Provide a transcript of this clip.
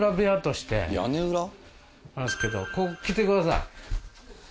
あるんですけどここ来てください。